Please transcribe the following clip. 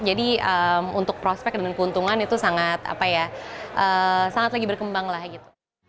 jadi untuk prospek dan keuntungan itu sangat apa ya sangat lagi berkembang lah gitu